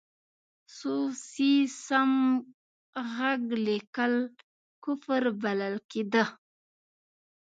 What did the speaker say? سو، سي، سم، ږغ لیکل کفر بلل کېده.